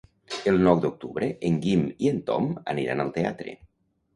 El nou d'octubre en Guim i en Tom aniran al teatre.